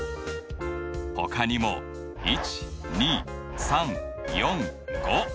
ほかにも１２３４５